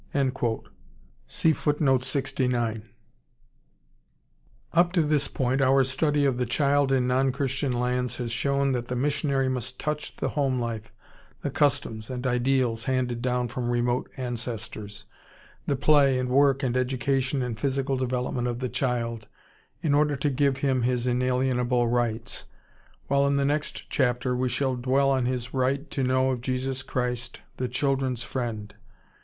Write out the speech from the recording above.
Up to this point our study of The Child in non Christian lands has shown that the missionary must touch the home life, the customs and ideals handed down from remote ancestors, the play and work and education and physical development of the child, in order to give him his inalienable rights, while in the next chapter we shall dwell on his right to know of Jesus Christ, the children's Friend.